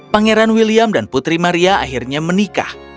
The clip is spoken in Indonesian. pangeran william dan putri maria akhirnya menikah